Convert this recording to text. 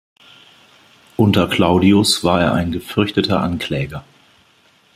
Unter Claudius war er ein gefürchteter Ankläger.